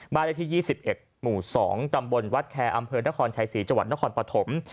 บ้านในที่๒๑หมู่๒ตำบลวัดแคอร์อำเภอนครชาย๔จวัดนครปฐม